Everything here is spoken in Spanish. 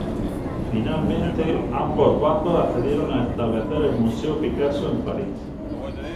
Finalmente, ambos bandos accedieron a establecer el Museo Picasso en París.